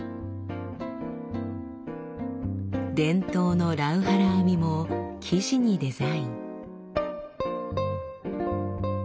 伝統のラウハラ編みも生地にデザイン。